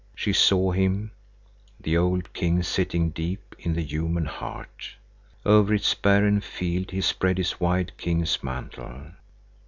She saw him, the old king, sitting deep in the human heart. Over its barren field he spread his wide king's mantle.